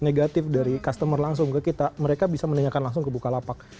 negatif dari customer langsung ke kita mereka bisa menanyakan langsung ke bukalapak